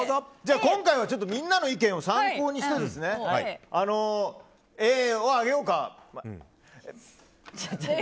今回はみんなの意見を参考にしてＡを上げようか。